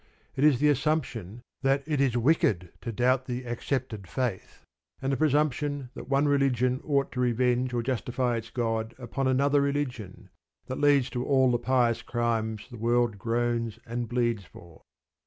It is the assumption that it is wicked to doubt the accepted faith and the presumption that one religion ought to revenge or justify its God upon another religion, that leads to all the pious crimes the world groans and bleeds for.